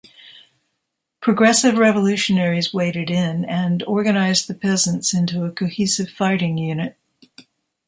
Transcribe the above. Progressive revolutionaries waded in and organized the peasants into a cohesive fighting unit.